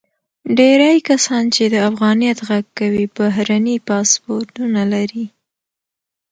ډیری کسان چې د افغانیت غږ کوي، بهرني پاسپورتونه لري.